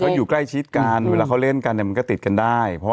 ก็อยู่ใกล้ชิดกันเวลาเขาเล่นกันเนี่ยมันก็ติดกันได้